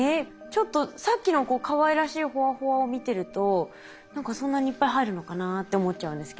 ちょっとさっきのかわいらしいほわほわを見てると何かそんなにいっぱい入るのかなって思っちゃうんですけど。